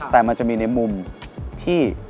แต่มันจะมีในมุมที่